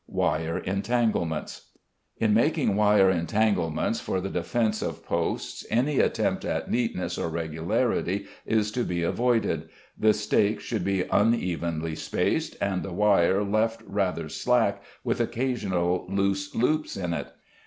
Wire Entanglements. In making wire entanglements for the defence of posts any attempt at neatness or regularity is to be avoided; the stakes should be unevenly spaced, and the wire left rather slack with occasional loose loops in it.